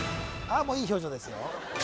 あもういい表情ですよ